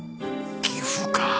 岐阜か。